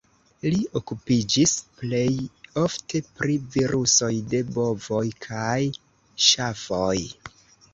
Li okupiĝis plej ofte pri virusoj de bovoj kaj ŝafoj.